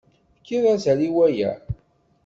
Tefkiḍ azal i waya.